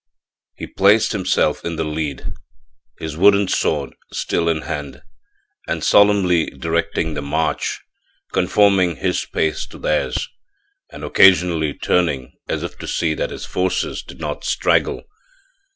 He placed himself in the lead, his wooden sword still in hand, and solemnly directed the march, conforming his pace to theirs and occasionally turning as if to see that his forces did not straggle.